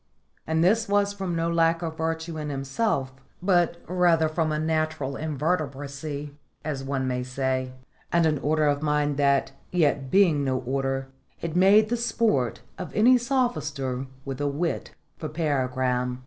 And this was from no lack of virtue in himself, but rather from a natural invertebracy, as one may say, and an order of mind that, yet being no order, is made the sport of any sophister with a wit for paragram.